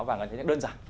và nó sẽ đơn giản